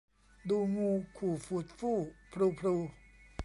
ดูงูขู่ฝูดฝู้ พรูพรู